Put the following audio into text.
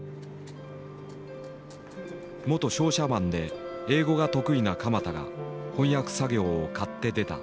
元商社マンで英語が得意な鎌田が翻訳作業を買って出た。